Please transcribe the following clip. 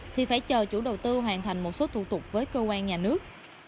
thì phải chờ chủ đầu tư hoàn thành một số thủ tục với cơ quan nhà nước